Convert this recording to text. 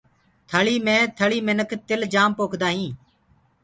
ٿݪيٚ مي تل منک تِل جآم پوکدآ هينٚ۔